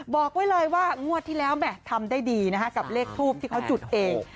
บอกไว้เลยว่างวดที่แล้วแหม่ทำได้ดีนะฮะกับเลขทูปที่เขาจุดเอง